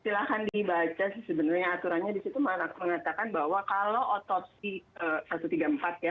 silahkan dibaca sih sebenarnya aturannya disitu mengatakan bahwa kalau otopsi satu ratus tiga puluh empat ya